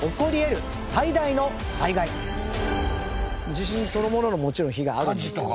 地震そのもののもちろん被害あるんですけど。